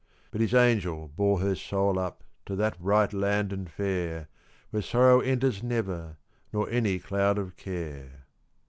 But His angel bore her soul up To that Bright Land and Fair, Where Sorrow enters never, Nor any cloud of care.